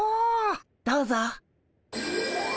どうぞ。